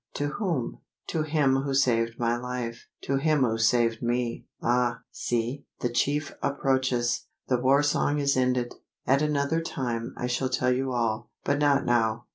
"To whom?" "To him who saved my life to him who saved me Ah! see, the chief approaches! the war song is ended. At another time, I shall tell you all; but not now.